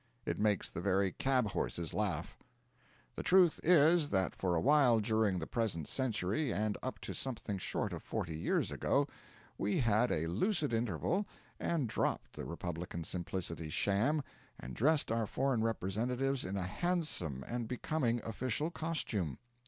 It makes the very cab horses laugh. The truth is, that for awhile during the present century, and up to something short of forty years ago, we had a lucid interval, and dropped the Republican Simplicity sham, and dressed our foreign representatives in a handsome and becoming official costume.